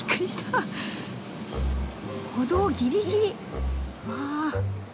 歩道ギリギリ。わ。